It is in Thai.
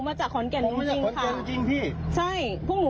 พี่มาปากหนูพี่มาปากหนู